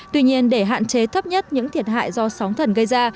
tuy nhiên để hạn chế thấp nhất những thiệt hại do sóng thần gây ra